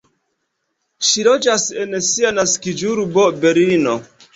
Ŝi loĝas en sia naskiĝurbo Berlino.